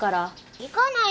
行かない！